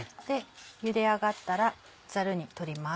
ゆで上がったらザルに取ります。